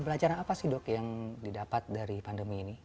pelajaran apa sih dok yang didapat dari pandemi ini